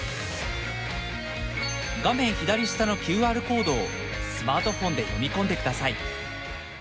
画面左下のＱＲコードをスマートフォンで読み込んでください。